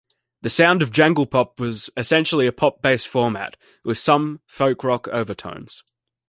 The sound of jangle pop was "essentially a pop-based format" with "some folk-rock overtones.